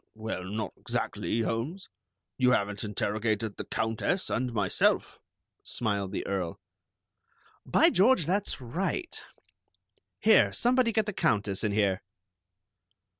"Er, well, not exactly, Holmes. You haven't interrogated the Countess and myself," smiled the Earl. "By George, that's right! Here, somebody, get the Countess in here."